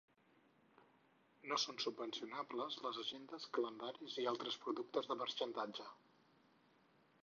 No són subvencionables les agendes, calendaris i altres productes de marxandatge.